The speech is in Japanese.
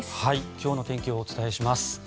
今日の天気をお伝えします。